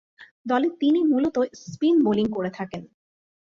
দলে তিনি মূলতঃ স্পিন বোলিং করে থাকেন।